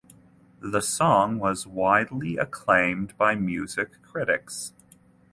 The song was widely acclaimed by music critics.